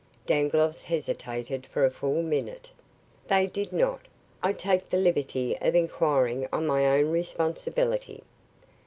Dangloss hesitated for a full minute. "They did not. I take the liberty of inquiring on my own responsibility."